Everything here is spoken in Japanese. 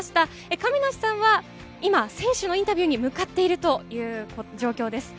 亀梨さんは今、選手のインタビューに向かっているという状況です。